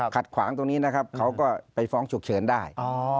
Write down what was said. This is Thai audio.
ขัดขวางตรงนี้นะครับเขาก็ไปฟ้องฉุกเฉินได้